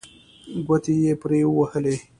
ګوتې یې پرې ووهلې.